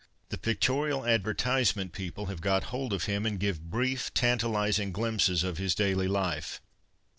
The pictorial advertisement people have got hold of him and give brief, tantalizing glimpses of his daily life.